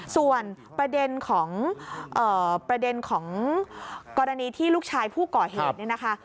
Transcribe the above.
ส่วนประเด็นของกรณีที่ลูกชายผู้ก่อเหตุ